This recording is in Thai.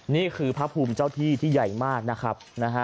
นี่คือพระภูมิเจ้าที่ที่ใหญ่มากนะครับ